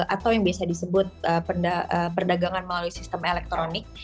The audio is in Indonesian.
atau yang biasa disebut perdagangan melalui sistem elektronik